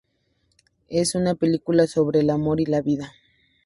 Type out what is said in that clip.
Es una película sobre el amor y la vida.